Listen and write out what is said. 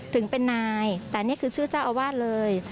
ถึงเป็นนายแต่นี่คือชื่อเจ้าอาวาสเลย